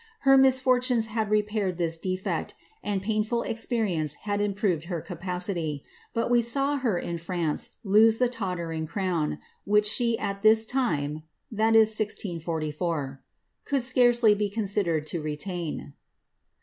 Her miafortani had repaired this defect, and painful experience had improved her cap city ; but we saw her in France lose the tottering crown, which she i this time (1644) could scarcely be considered to retain."